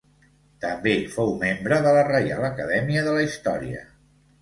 També fou membre de la Reial Acadèmia de la Història.